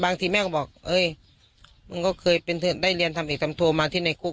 บางทีแม่ก็บอกเอ้ยมึงก็เคยเป็นได้เรียนทำเอกทำโทรมาที่ในคุก